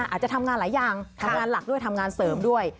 อาจจะทำงานหลายอย่างทำงานหลักด้วยทำงานเสริมด้วย